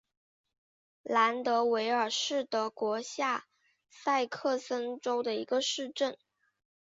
兰德韦尔是德国下萨克森州的一个市镇。